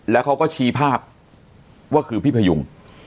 แล้วเขาก็ชี้ภาพว่าคือพี่พยุง